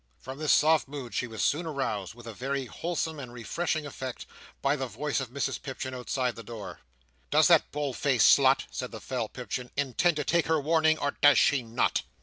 From this soft mood she was soon aroused, with a very wholesome and refreshing effect, by the voice of Mrs Pipchin outside the door. "Does that bold faced slut," said the fell Pipchin, "intend to take her warning, or does she not?"